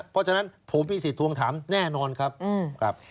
เพราะฉะนั้นผมมีสิทธิทวงถามแน่นอนครับ